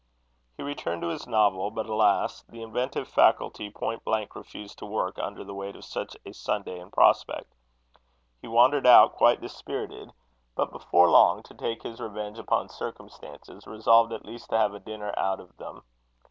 He returned to his novel; but, alas! the inventive faculty point blank refused to work under the weight of such a Sunday in prospect. He wandered out, quite dispirited; but, before long, to take his revenge upon circumstances, resolved at least to have a dinner out of them.